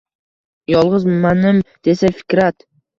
Yolg’iz manim desa fikrat